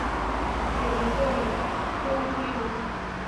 强壮沟椎龙。